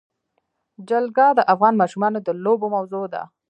جلګه د افغان ماشومانو د لوبو موضوع ده.